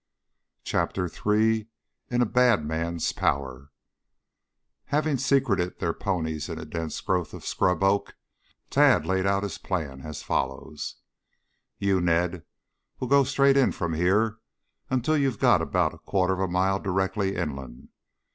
CHAPTER III IN A BAD MAN'S POWER Having secreted their ponies in a dense growth of scrub oak, Tad laid out his plan as follows: "You, Ned, will go straight in from here until you've got about a quarter of a mile directly inland.